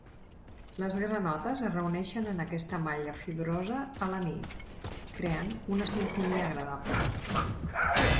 Les granotes es reuneixen en aquesta malla fibrosa a la nit, creant una simfonia agradable.